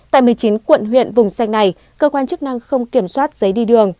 tại một mươi chín quận huyện vùng xanh này cơ quan chức năng không kiểm soát giấy đi đường